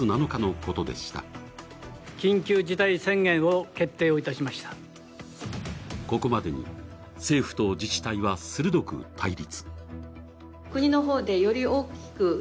ここまでに政府と自治体は鋭く対立。